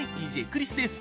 ＤＪクリスです。